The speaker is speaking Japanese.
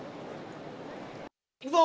いくぞ！